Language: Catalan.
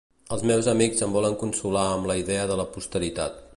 Els meus amics em volen consolar amb la idea de la posteritat.